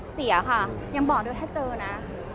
เสียค่ะยังบอกด้วยถ้าเจอนะ